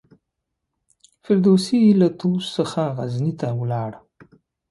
فردوسي له طوس څخه غزني ته ولاړ.